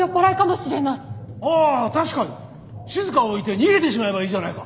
しずかを置いて逃げてしまえばいいじゃないか。